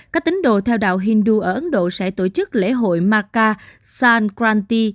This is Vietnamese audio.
các tính đồ theo đạo hindu ở ấn độ sẽ tổ chức lễ hội maka sankranti